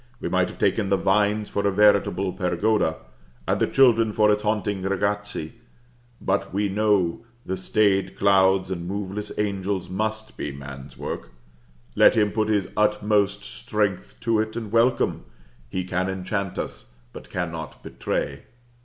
We might have taken the vines for a veritable pergoda, and the children for its haunting ragazzi; but we know the stayed clouds and moveless angels must be man's work; let him put his utmost strength to it and welcome, he can enchant us, but cannot betray.